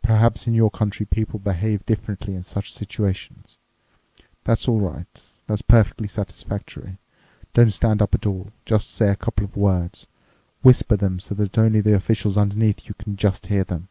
Perhaps in your country people behave differently in such situations. That's all right. That's perfectly satisfactory. Don't stand up at all. Just say a couple of words. Whisper them so that only the officials underneath you can just hear them.